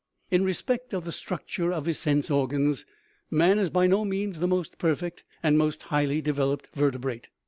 In respect of the structure of his sense organs man is by no means the most perfect and most highly developed vertebrate.